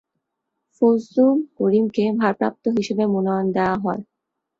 ফজলুল করিমকে ভারপ্রাপ্ত হিসেবে মনোনয়ন দেওয়া হয়।